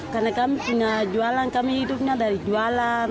karena kami tinggal jualan kami hidupnya dari jualan